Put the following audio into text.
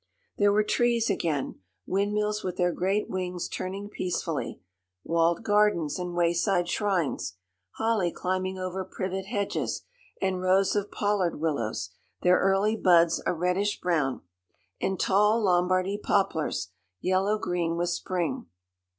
There were trees again; windmills with their great wings turning peacefully; walled gardens and wayside shrines; holly climbing over privet hedges; and rows of pollard willows, their early buds a reddish brown; and tall Lombardy poplars, yellow green with spring.